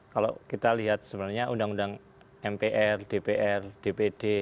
kalau kita lihat sebenarnya undang undang mpr dpr dpd